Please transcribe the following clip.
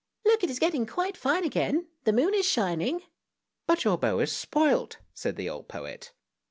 Look, it is getting quite fine again, the moon is shining! "" But your bow is spoilt," said the old poet.